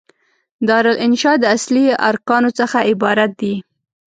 دارالانشأ د اصلي ارکانو څخه عبارت دي.